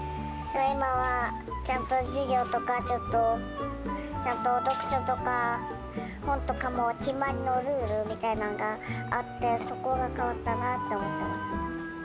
今はちゃんと授業とか、ちょっと、ちゃんと読書とか、本とかも決まりのルールみたいなのがあって、そこが変わったなって思ってます。